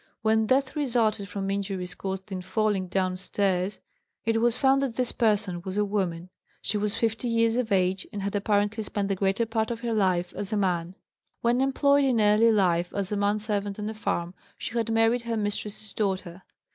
When death resulted from injuries caused in falling down stairs, it was found that this person was a woman. She was fifty years of age, and had apparently spent the greater part of her life as a man. When employed in early life as a manservant on a farm, she had married her mistress's daughter.